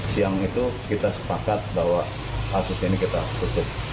siang itu kita sepakat bahwa kasus ini kita tutup